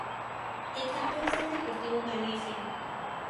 El Campeón fue el Deportivo Galicia.